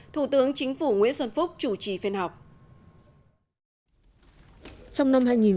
thủ tướng chính phủ nguyễn xuân phúc chủ trì phiên họp